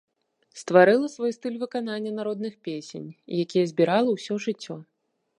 Стварыла свой стыль выканання народных песень, якія збірала ўсё жыццё.